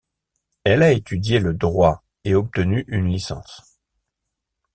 Elle a étudié le droit et obtenu une licence.